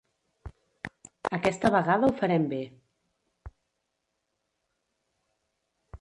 Aquesta vegada ho farem bé.